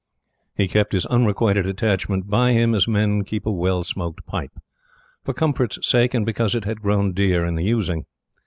He kept his unrequited attachment by him as men keep a well smoked pipe for comfort's sake, and because it had grown dear in the using.